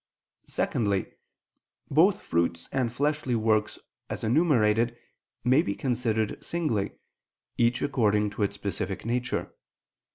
Secondly, both fruits and fleshly works as enumerated may be considered singly, each according to its specific nature.